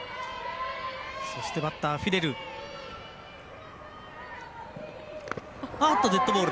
そしてバッター、フィレル。